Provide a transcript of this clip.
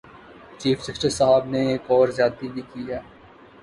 Chief justice صاحب نے ایک اور زیادتی بھی کی۔